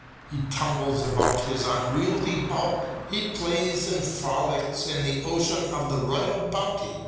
He tumbles about his unwieldy bulk : he plays and f roUcs in the ocean of the royal bounty.